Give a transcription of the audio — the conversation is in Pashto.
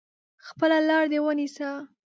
خپله لار دي ونیسه !